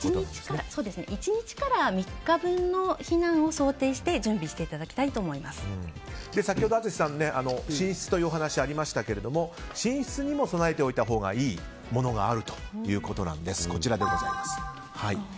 １日から３日分の避難を想定して先ほど淳さんは寝室というお話がありましたが寝室にも備えておいたほうがいいものがあるということです。